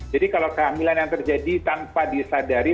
jadi kalau kehamilan yang terjadi tanpa disadari